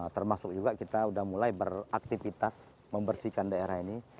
termasuk juga kita sudah mulai beraktivitas membersihkan daerah ini